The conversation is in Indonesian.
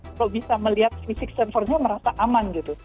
kalau bisa melihat fisik servernya merasa aman gitu